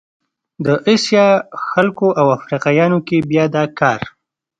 د اسیا خلکو او افریقایانو کې بیا دا کار